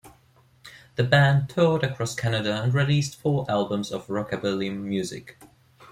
The band toured across Canada and released four albums of rockabilly music.